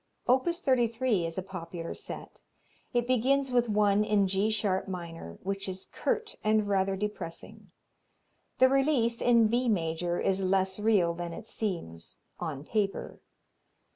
Opus 33 is a popular set. It begins with one in G sharp minor, which is curt and rather depressing. The relief in B major is less real than it seems on paper.